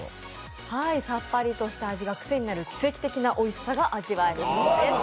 さっぱりとした味がクセになる奇跡的なおいしさが味わえるということです。